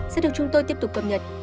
sẽ được chúng tôi tiếp tục cập nhật